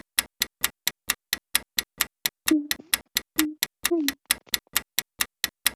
Ebute Metta is divided into two main areas: East and West.